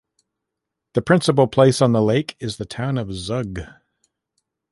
The principal place on the lake is the town of Zug.